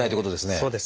そうです。